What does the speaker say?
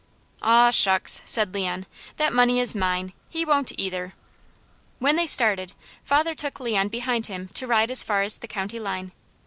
"Aw, shucks!" said Leon. "That money is mine. He won't either!" When they started, father took Leon behind him to ride as far as the county line.